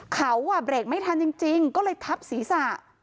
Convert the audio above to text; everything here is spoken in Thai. เขาเบรกไม่ทันจริงก็เลยทับศีรษะ